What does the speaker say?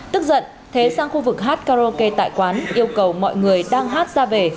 tức giận thế sang khu vực hát karaoke tại quán yêu cầu mọi người đang hát ra về